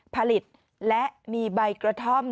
ผลิตและมีใบกระท่อม